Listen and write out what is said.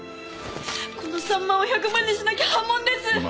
この３万を１００万にしなきゃ破門です！